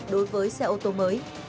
đối với xe ô tô mới